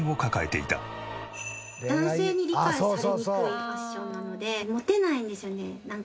男性に理解されにくいファッションなのでモテないんですよねなんか。